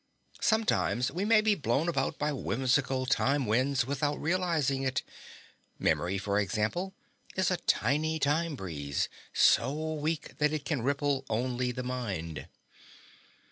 Sometimes we may be blown about by whimsical time winds without realizing it. Memory, for example, is a tiny time breeze, so weak that it can ripple only the mind.